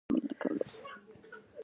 د غاښونو د روغتیا لپاره باید څه مه هیروم؟